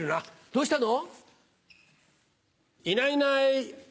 どうしたの？